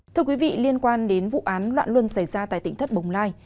thưa quý vị liên quan đến vụ án loạn luân xảy ra tại tỉnh thất bồng lai